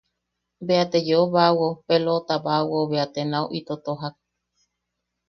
Bea te yeubaawao peloʼotabaawao bea te nau ito tojak.